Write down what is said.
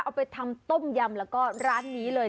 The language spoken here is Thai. เอาไปทำต้มยำแล้วก็ร้านนี้เลย